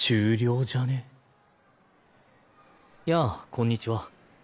やあこんにちは。